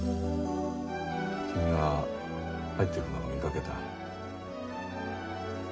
君が入っていくのを見かけた。